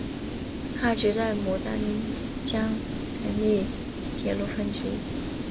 哈局在牡丹江成立铁路分局。